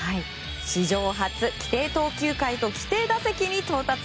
史上初規定投球回と規定打席に到達。